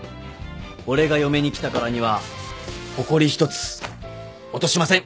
俺が嫁に来たからにはほこり一つ落としません